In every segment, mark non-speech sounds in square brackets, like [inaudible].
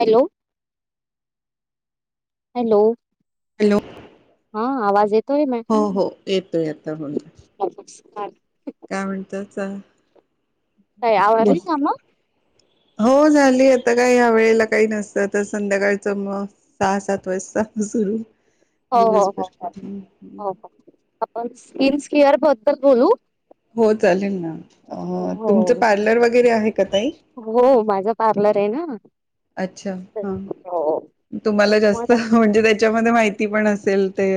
Hello hello hello हा आवाज येत हो हो येतो आता म्हण हा काय म्हणत च काय आवरली काम हो झाली आता काय ह्या वेळेला काही नसतं आ तर संध्याकाळच मग सहा सात वाजता [unintelligible] हो हो हो दिवसभर काय. हो आपण स्किन केअर बद्दल बोलू हो चालेल ना तुमचं हो पार्लर वगैरे आहे का तई हो माझा पार्लर आहे ना अच्छा हा हो तुम्हाला जास्त म्हणजे त्याच्यामध्ये माहिती पण असेल ते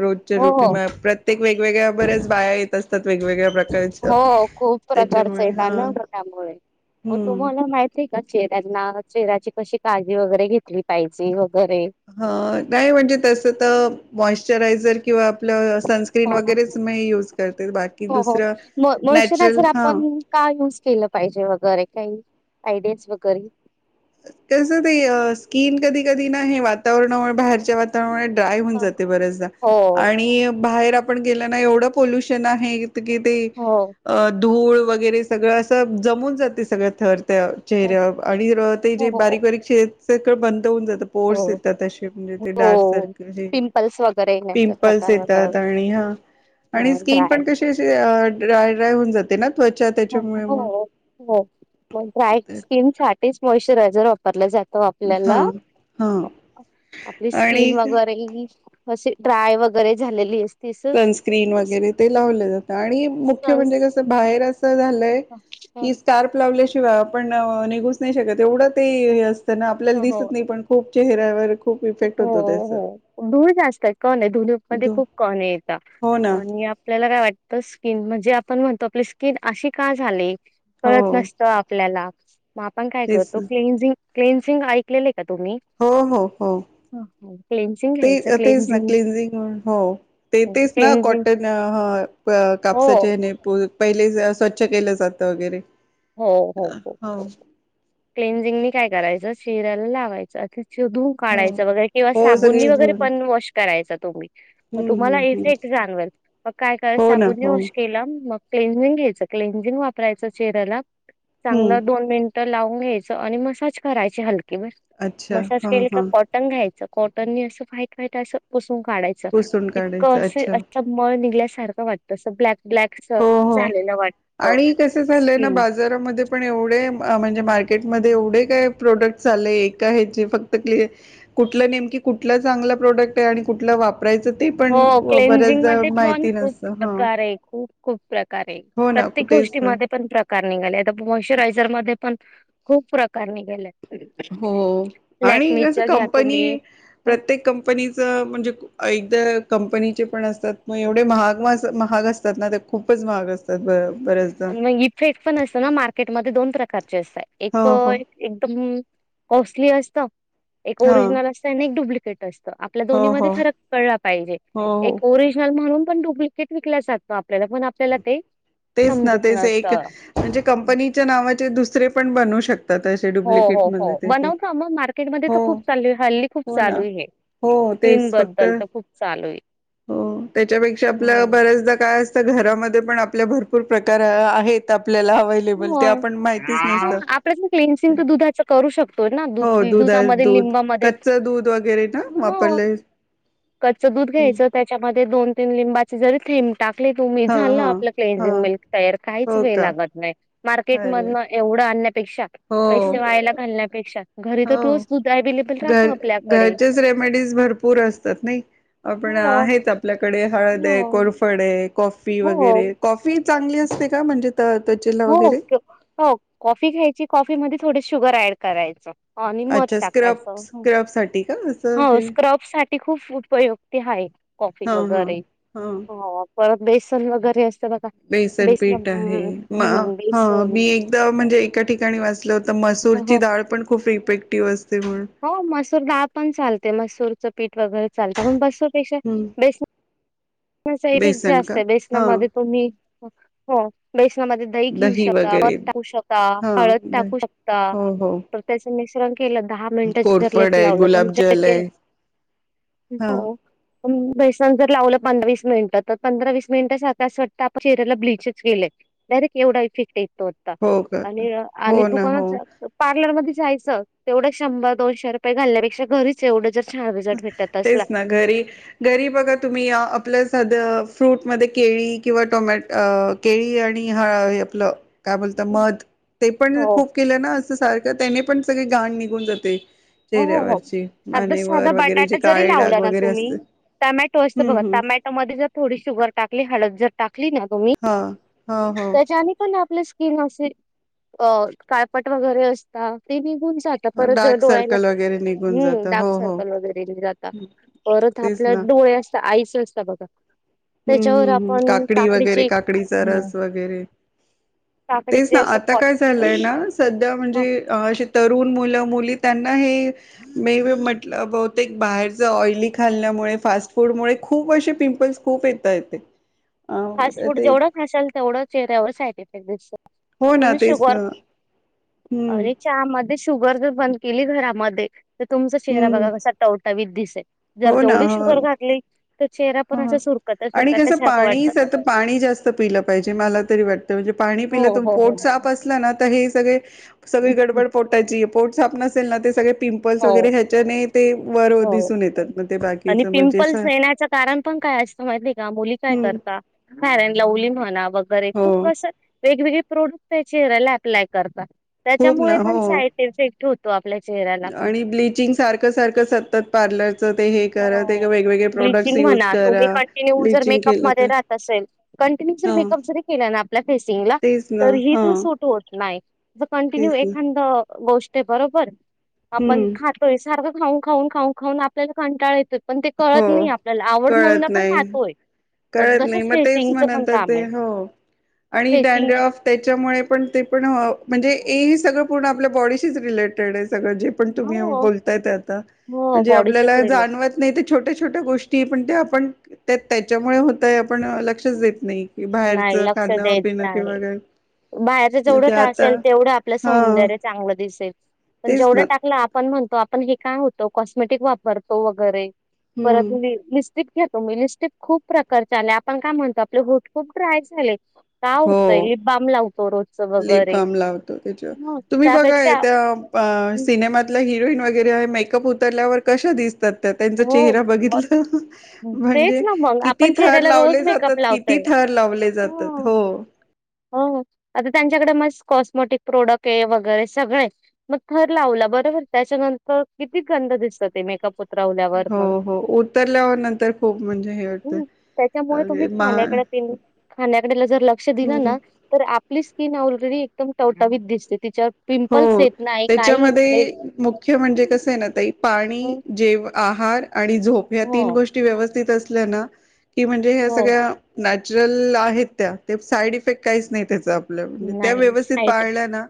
रोजच्या हो रोटी हो म प्रत्येक वेगवेगळ्या बऱ्याच बाया येत अस हो खूप प्रकारच आहे त्याच्यामुळे ना हा बेनर त्यामुळे हो हम्म तुम्हाला माहित आहे का चेहऱ्यांना चेहऱ्याची कशी काळजी वगैरे घेतली पाहिजे वगैरे ह नाही म्हणजे तस तर मॉइशचरायझर किंवा आपलं सनस्क्रीन हो वगैरेच मी यूज करते बाकी हो हो दुसरं म नॅचरल मॉइश्चरायझर हा आपण का यूज केलं पाहिजे वगैरे काही आयडिया वगैरे कधी नाही वातावरणामुळे बाहेरच्या वातावरणा ड्राय होऊन जाते बरेचदा हो आणि बाहेर आपण गेल ना एवढं पोल्युशन आहे कि ते हो अ धूळ वगैरे सगळं असं जमून जाते सगळं थर त्या हो चेहऱ्यावर आणि ते हो जे हो बारीक बारीक बन ऊन जात पोर्स हो येतात असे म्हणजे ते डार्क हो. सर्कल हे पिंपल्स वगैरे येण्याचा पिंपल्स प्रकार होता येतात आणि आणि ह आणि स्किन ड्राय पण कशी अ ड्राय ड्राय होऊन जाते ना त्याच्यामुळे मग मग ड्राय स्किन साठीच मॉशचरायझर वापरल्या जात तो हा आपल्याला हा आपली स्किन आणि वगैरे अशी ड्राय वगैरे झालेली असते स सनस्क्रीन वगैरे ते लावलं जातं, आणि मुख्य म्हणजे कसं बाहेर असं झालंय. कि स्कार्प लावल्या शिवाय आपण निघूच नाही शकत, एवढं ते असं आपल्याला हो हो दिसत नाही, पण खूप चेहऱ्यावर खूप इफेक्ट हो होतो त्याचा हो, धूळ जास्त आहे, कण आहे धुळी मध्ये धू खूप कण ये. ता हो ना आणि आपल्याला काय वाटतं, स्किन म्हणजे आपण म्हणतो आपली स्कीन अशी का झाले? हो कळतं नसतं आपल्याला. मग आपण काय तेच करतो, ना. क्लिन्झिंग- क्लिन्झिंग ऐकलेलं आहे का तुम्ही? हो हो हो क्लिन्झिंग. ते तेच ना, क्लिन्झिंग हो ते तेच ना क्लेन्झिंग कॉटन हो, कापसाचे पहिले स्वच्छ केलं जातं वगैरे. हो हो हो, क्लनझिंग काय करायचं चेहऱ्याला लावायचं. सोधून हो काढायचं वगैरे किंवा, हो साबुन सगळी वगैरे धुळी पण वॉश करायचं तुम्ही. हम्म तुम्हाला हम्म हम्म इफेक्ट जाणवेल, मग काय करायचं हो ना साबुनने हो वॉश केलं मग क्लिन्झिंग घ्यायचं क्लिन्झिंग वापरायचं चेहऱ्याला हम्म चांगलं दोन मिनट तर लावून घ्यायचं, आणि मसाज करायची हलकी म अच्छा मसाज हा केली का हा कॉटन घ्यायचं. कॉटन नी अस व्हाईट व्हाईट अस पुसून काढायच, पुसून इतकं काढायचं अस अच्छा अस मळ निघल्या सारख वाटत, अस ब्लॅक ब्लॅक हो हो झालेलं वाटत स्किन. घरामधे पणं एवढ म्हणजे मार्केट म एवढे काय प्रोडक्ट्स आले एका हे जे फक्त तेचं कुठल नेमकी कुठल चांगल प्रोडक्ट हाय आणि कुठल वाप हो क्लेनझिंग मध्ये पण माहिती खूप नसतं हा प्रकार आहेत. खूप खूप प्रकार ए, हो ना प्रत्येक तेच गोष्टी ना मधे पण प्रकार निघाले, आता मॉइश्चरायझर पण खूप प्रकार निघाले आहेत. हो आणि असं घ्या तुम्ही कंपनी ह प्रत्येक कंपनीच म्हणजे एकदा कंपनीचे पण असतात, मग एवढे महाग महाग असतात ना, ते खूपच महाग असतात बरं. पण मग इफेक्ट पण असत ना, मार्केटमध्ये दोन प्रकारचे असता. हो एक हो एकदम कॉस्टली असतं, एक हा ओरिजिनल असतं आणि एक डुप्लिकेट असत. आपल्या हो दोन्ही मध्ये हो फरक कळाला पाहिजे, हो हो एक ओरिजनल म्हणून पण डुप्लिकेट विकला जातो आपल्याला पण आपल्याला ते तेच ना समजत तेच एक नसतं. म्हणजे कंपनीच्या नावाचे दुसरे पण बनवु शकत आ तसेे हो, डुप्लिकेट हो, मग हो. येतेत, बनवता मग मार्केटमध्ये हो तर खूप चालू आहे. हल्ली खूप हो ना. चालू आहे हे. हो तेच फक्त स्किनबद्दल तर खूप चालू आहे. हो त्याच्यापेक्षा आपलं बऱ्याचदा काय असतं, घरामध्ये पण आपल्या भर पूर प्रकार आहेत आप आपल्याला अवेलेबल ते मग आपण माहितीच नसत. आपल्यातलं क्लेन्सिंग तर दुधाचं करू शकतो ना. हो दूध. दही, दुधामध्ये दूध, लिंबामध्ये कच्च दूध वगैरे ना वापरले कच्च दूध घ्यायचं, त्याच्यामध्ये दोन तीन लिंबाची जरी थेंब टाकली तूमी हा झाल हा आपलं हा क्लीझिंग मिल्क तयार काहीच हो वेळ का लागत नाही. मार्केट अरे मधन एवढं अन्या पेक्षा हो पैसे वायाला घालण्या पेक्षा, घरी तर हो रोज दुध अवेलेबल राहत घर आपल्याकडे. घरचेच रेमेडीज भरपूर असतात नाही, आपण हो. आहेत आपल्या कडे हळद आहे हो. कोरफड आहे. कॉफी हो. वगैरे कॉफी चांगली असते का? म्हणजे त त्वचेला हो वगैरे हो, कॉफी घ्यायची कॉफी मध्ये थोडी शुगर ऍड करायचं. ह आणि मध अच्छा स्क्रब टाकायचं. स्क्रब साठी का असं हो, हे स्क्रब साठी खूप उपयुक्ती आहे, कॉफी हा हा वगैरे. हा हो, परत बेसन वगैरे असते बघा बेसन पीठ आहे हम. म हा मी एकदा म्हणजे एका ठिकाणी वाचलं होत. तर हो मसूरची हो दाळ पण खूप इफेक्टिव्ह असते, मग हो, मसूर दाळ पण चालते मसूरचं पीठ वगैरे चालतं, पण मसुर पेक्षा हम्म बेस बेसनाचा इफेक्ट बेसन जास्त का आहे, हा बेसनामध्ये तुम्ही हो बेस दही घेऊ शकता मध टाकू शकता हा हळद टाकू शकता हो हो त्याचं मिश्रण केलं दहा मिनिट जर कोरफड लेप आहे लावलं तुमच्या गुलाबजल आहे हा चेहऱ्या बेसन जर लावलं तर पंधरा वीस मिनिटं असं वाटतं आपण चेहऱ्याला ब्लीच केलेय डायरेक्ट एवढा इफेक्ट हो का ये आणि हो ना हो दुकानात पार्लरमध्ये जायचं तेवढं शंभर दोनशे रुपये घालण्यापेक्षा घरीच एवढं छान रिझल्ट भेटत असला तेच ना घरी घरी बघा तुम्ही आपलं साधं फ्रूटमध्येध्ये केळी किंवा टोमॅट केळी आणि ह आपलं काय बोलत मध ते पण हो खूप केलं ना असं सारखं त्याने पण सगळे घाण निघून जाते हो हो हो चेहऱ्यावरची अगदी मानेवर साधा वगैरे जे बटाटा जरी काळे लावला डाग ना वगैरे तुम्ही असते टमॅटो असते बघा हम्म हम्म टमॅटोमध्ये जर थोडी शुगर टाकली हळद जर टाकली ना तुम्ही हा हो हो त्याच्याने पण आपलं स्किन असी अ काळपट वगैरे असता ते निघून जात परत जर परत डार्क डोळ्याला सर्कल वगैरे निघून जात हम्म डार्क हो हो सर्कल वगैरे जाता परत तेच आपल्या ना डोळे असतात आईस न असता बघा हम्म त्याच्यावर हम्म हम्म आपण काकडी वगैरे काकडीची काकडीचा हम्म रस वगैरे तेच काकडीचे ना असं आता काय झालंय कॉटन ना सध्या म्हणजे अशी तरुण मुलं मुली त्यांना हे मे बी म्हटलं बहुतेक बाहेरचं ऑइली खाल्यामुळे फास्ट फूड मुळे खूप असे पिंपल्स खूप येतात ते फास्ट फूड जेवढं खाशाल तेवढं चेहऱ्यावर साईड इफेक्ट दिसतो हो ना तेच ना हम्म अरे चहामध्ये शुगर जर बंद केली घरामध्ये तर तुमचा चेहरा हम्म बघा कसा टव टवटवीत दिसे जर हो ना जेवढी हो शुगर घातली तर चेहरा पण हा अशा सुरकत्या आणि सुरकत्या कसं सारखं वाटतं पाणीच आता पाणी जास्त पिलं पाहिजे मला तरी वाटतं म्हणजे पाणी हो पिल तु हो हो पोट साफ असलं ना तर हे सगळे सगळी गडबड पोटाची पोट साफ नसेल ना ते सगळे पिंपल्स हो वगैरे ह्याच्याने ते बर हो दिसून येतात मग ते आणि बाकीचं म्हणजे पिंपल्स येण्याच कारण पण काय असतं माहिती आहे का मुली काय हम्म. करता फ्यारन लव्हली म्हणा वगैरे हो खूप कसं वेगवेगळे प्रोडक्ट चेहऱ्याला अप्लाय करतात खूप ना त्याच्यामुळे पण हो साइट इफेक्ट होत. आणि ब्लिचिंग सारखं सारखं सतत पार्लरच ते हे करा ते हो करा वेगवेगळे प्रॉडक्ट्स ब्लिचिंग यूज म्हणा करा तुम्ही करा कंटिन्यू जर ब्लिचिंग मेकअप केलं मध्ये तर राहत असेल कंटिन्यू जर हा मेकअप जरी केला ना आपल्या फेसिंगला तेच ना तरीही हा तो सूट होत नाही. कंटिन्यू तेच ना एखादं गोष्ट आहे बरोबर आपण हम्म खातोय सारखं खाऊन खाऊन खाऊन खाऊन आपल्याला कंटाळ येतोय पण ते हो कळत नाही आपल्याला आवड म्हणून कळत आपण नाही खातोय पण कळत नाही तसंच मग तेच मग फेसिंगचं पण नंतर काम ते आहे हो आणि फेसिंगला डॅडरफ त्याच्यामुळे पण ते पण म्हणजे ए ही सगळं पूर्ण आपल्या बॉडीशीच रिलेटेड आहे पण तुम्ही हो बोलताय आ हो म्हण बॉडीशीच आपल्या रिलेट जाणवत नाही छोट्या छोट्या गोष्टी पण त्या आपण त्या त्याच्यामुळे ता आपण लक्षच देत नाही की बाहेरच नाही लक्ष खाणं देत पिणं किंवा नाही. काय बाहेरच जेवढं ते टाळता आता येईल तेवढं आपलं हा सौंदर्य चांगलं दिसेल. पण तेच ना जेवढं टाकला आपण म्हण आपण हे काय होतो कॉस्मेटिक वापरतो वगैरे परत हम्म तो लिपस्टिक खूप प्रकारच्या आले आपण काय म्हणतो आपले होट खूप ड्राय झाले का हो होतंय लि बाम लावतो रोजच लिप वगैरे बाम लावतो त्याच्या तुम्ही बघा हे त्यापेक्षा त्या अ सिनेमातला हिरोईन वगैरे आहे मेकअप उतरल्यावर कशा दिसतात हो चेहरा मग बिघतला तेच म्हणजे ना मग किती आपण थर चेहऱ्याला रोज लावले जातात मेकअप किती लावतोय. थर लावले जातात हो. [unintelligible] आता त्यांच्याकडे मस् कॉस्मेटिक प्रोडक्ट आहे. वगैरे सगळ आहे. मग थर लावला बरोबर आहे. त्याच्यान किती गंद दिसत ते मेकअप उतरवल्यावर हो पण. हो उतरल्यावर नंतर खूप म्हणजे हे वाटतंय. हम्म. त्याच्यामुळे तुम्ही खाण्याकडे खाण्याकडे जर ज लक्ष दिलं ना. तर आप आपली स्किन ऑलरेडी एकदम टवटावीत दिसते. तिच्यावर पिंपल्स हो येत नाही काही येत नाही. त्याच्यामध्ये मुख्य म्हणजे कस आहे ना ताई पाणी हं, जेव आहार आणि झोप या तीन हो गोष्टी व्यवस्थित असल्या ना की म्हणजे ह्या हो सगळ्या नॅचरल आहेत त्या. ते साईड इफेक्ट काहीच नाही त्याचा. त्या नाही व्यवस्थित साईड इफेक्ट पाळल्या ना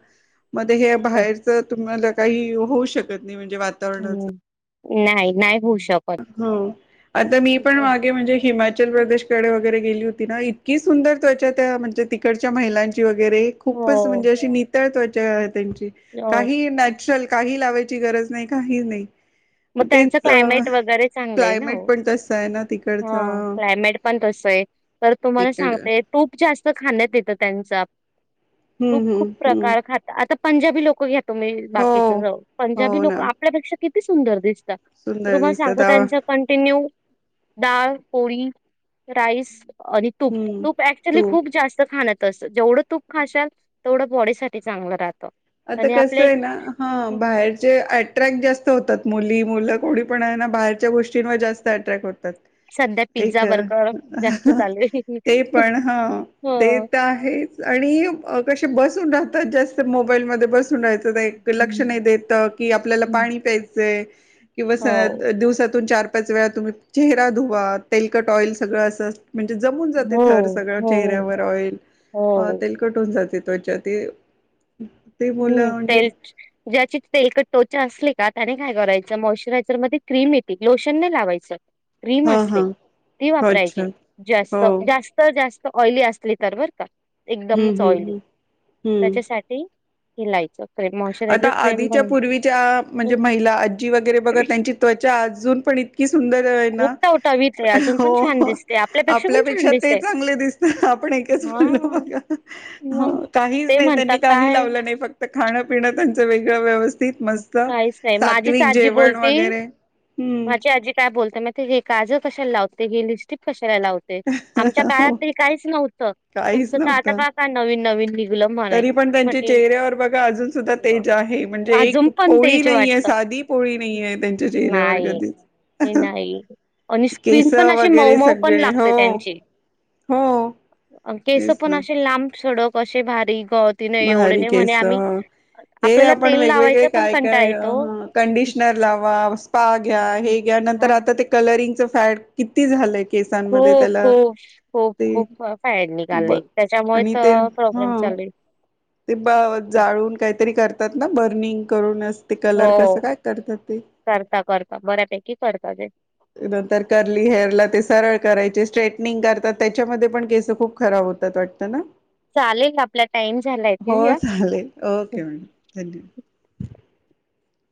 मग हे बाहेरच मला काही होऊ शकत नाही. म्हणजे वातावरणाच. हम्म. नाही नाही होऊ शक हो आता मी पण मागे म्हणजे हिमाचल प्रदेशकडे वगैरे गेली होती ना‌ इतकी सुंदर त्वचा त्या म्हणजे तिकडच्या महिलांची खूपच हो म्हणजे अशी नितळ त्वचा आहे त्यांची. हो. काहीही चल काही लावायची गरज नाही. काही नाही. मग त्यांचं क्लायमेट वगैरे चांगल आहे ना क्लायमेट हो. पण तसं आहे ना हा तिकडचं क्लायमेट पण तस आहे तर तुम्हाला एकड सांगते. तूप खुप जास्त खाण्यात येत त्यांचा. हम्म तुप खूप हम्म हम्म प्रकार खाता. आता पंजाबी लोक घ्या तुम्ही. बाकीच जाऊ हो. द्या पंजाबी हो लोक ना आपल्यापेक्षा किती सुंदर दिसत सुंदर तुम्हाला दिसतात सांगू त्यांचा कंटिन्यू डाळ, पोळी, राईस. आणि तूप. हम्म तूप ऍक्चुली तू खूप जास्त खाण तस जेवढं तूप खाशाल तेवढं बॉडी साठी चांगलं राहतं. आता आणि कस आपल्या एक आहे ना हा हं, हं. बाहेरचे अट्रॅक्ट जास्त होतात. मुली मुलं कोणी पण आहे ना, बाहेरच्या गोष्टींवर जास्त अट्रॅक्ट होतात. सध्या एक पिझ्झा बर्गर जास्त चालू आहे. ते पण हा ते हो. तर आहेच आणि कसे बस जास्त मोबाईल बसून राहयच. एक लक्ष हम्म. नाही देत की, आपल्याला हम्म. पाणी प्यायचंय. किंवा हो. दिवसातून चार पाच वेळा तुम्ही चेहरा धुवा. तेलकट ऑइल सगळं असं म्हणजे जमून जाते हो, थर सगळं हो, चेहऱ्यावर ऑइल हो. तेलकट होऊन जाते. त्वच्या ते ते मुलं हम्म म्हणजे तेल. ज्याची तेलकट त्वचा असली का त्याने काय करायचं मॉशचरायझर मध्ये क्रीम येते. लोशन नाही लावायचं. क्रीम हा असते हा ती अच्छा वापरायची. हो जास्त जास्त जास्त ऑइली असली तर बर का. हम्म एकदमच ऑइली हम्म हम्म त्याच्यासाठी हेिलायचं आता आधीच्या पूर्वीच्या म्हणजे महिला आजी वगैरे बघा त्यांची त्वचा अजून पण इतकी सुंदर आहे खूप ना. टवटवीत आहे अजून पण छान हो. दिसते पण छान आपल्यापेक्षा ते दिसते. चांगले दिसता. आपण एकच बोललो हां, बघा. मग काहीच ते नाही म्हणतात त्यांनी काही काय लावलं नाही फक्त खाणं पिणं त्यांचं वेगळं व्यवस्थित मस्त काहीच नाही माझीच सात्विक आजी जेवण बोलती वगैरे. हम्म माझी आजी काय बोलते माहिती आहे का मी ते काजळ कशाला लावते. हे लिपस्टिक कशाला लावते. आमच्या काळात हो त काहीच नव्हत. तुमच काहीच आता नव्हतं का का नवीन नवीन निघलं म्हणे तरी पण त्यांच्या म्हटले चेहऱ्यावर बघा अजून सुद्धा तेज आहे. म्हणजे एक अजून पण पोळी तेच नाही आहे वाटतं साधी पोळी नाही आहे त्यांच्या चेहऱ्यावर नाही कधीच ते नाही आणि स्कीन केस पण अशी मऊ वगैरे मऊ पण सगळे लागते हो त्यांची. हो केस तेच पण ना असे लांबसडक. असे भारी‌. हो तिने एवढं भारी नाही म्हणे केस आम्ही हे आपल्याला आपण तेल वेगवेगळे लावायचा पण काय कंटाळा काय येतो कंडिशनर लावा. स्पा घ्या. हे घ्या. नंतर हा आता ते कलरिंग फॅड किती झालंय? केसांमध्ये खूप त्याला खूप खूप ते खूप फँड ब निघालयं, त्याच्यामुळे आणि ते तर प्रॉब्लेम हा चालू आहे. [inaudible] ते ब जाळून काहीतरी करतात ना बर्निंग करून असं हो, करता करता बऱ्यापैकी करता ते. नंतर कर्ली हेअरला ते सरळ करायचे स्ट्रेटनिंग करतात, त्याच्या मध्ये पण केस खूप खराब होतात. वाटतं ना चालेल आपला टाइम झालाय हो ठेवूया? चालेल, ओके मॅडम धन्यवाद! [inaudible]